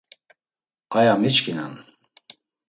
Aya miçkinan.